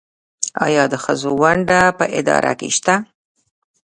آیا د ښځو ونډه په اداره کې شته؟